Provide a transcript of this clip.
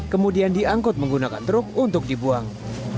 kemudian diangkut menggunakan truk untuk dibuang